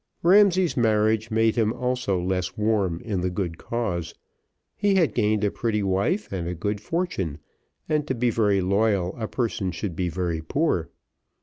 Ramsay's marriage made him also less warm in the good cause; he had gained a pretty wife and a good fortune, and to be very loyal a person should be very poor.